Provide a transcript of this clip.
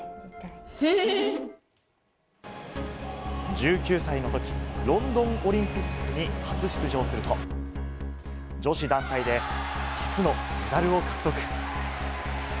１９歳の時、ロンドンオリンピックに初出場すると、女子団体で初のメダルを獲得。